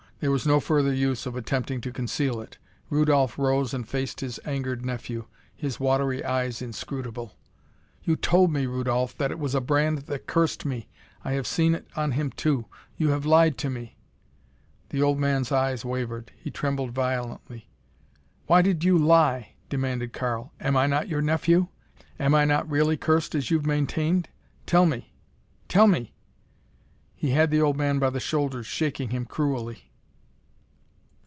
There was no further use of attempting to conceal it. Rudolph rose and faced his angered nephew, his watery eyes inscrutable. "You told me, Rudolph, that it was a brand that cursed me. I have seen it on him, too. You have lied to me." The old man's eyes wavered. He trembled violently. "Why did you lie?" demanded Karl. "Am I not your nephew? Am I not really cursed as you've maintained? Tell me tell me!" He had the old man by the shoulders, shaking him cruelly.